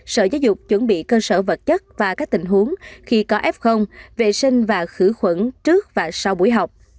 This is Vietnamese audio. sở giáo dục chuẩn bị cơ sở vật chất và các tình huống khi có f vệ sinh và khử khuẩn trước và sau buổi học